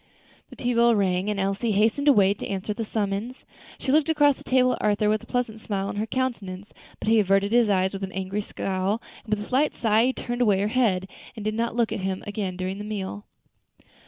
The tea bell rang, and Elsie hastened away to answer the summons. She looked across the table at Arthur with a pleasant smile on her countenance, but he averted his eyes with an angry scowl; and with a slight sigh she turned away her head, and did not look at him again during the meal.